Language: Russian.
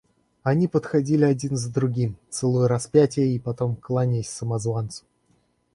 Они подходили один за другим, целуя распятие и потом кланяясь самозванцу.